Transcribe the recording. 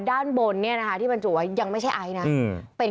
ด้านบนเนี้ยนะฮะที่บรรจุไว้ยังไม่ใช่ไอซ์น่ะอืมเป็น